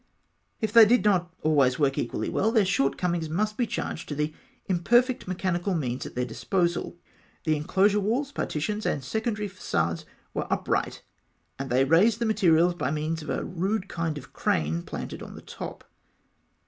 If they did not always work equally well, their shortcomings must be charged to the imperfect mechanical means at their disposal. The enclosure walls, partitions, and secondary façades were upright; and they raised the materials by means of a rude kind of crane planted on the top.